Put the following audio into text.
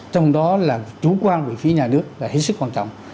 trong đó là chủ quan về phía nhà nước là hết sức quan trọng